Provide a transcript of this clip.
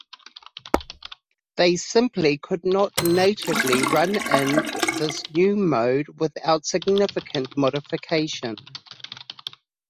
They simply could not natively run in this new mode without significant modification.